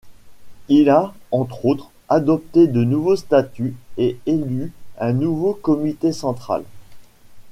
Il a, entre autres, adopté de nouveaux statuts et élu un nouveau Comité central.